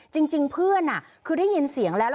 จริงเพื่อนคือได้ยินเสียงแล้ว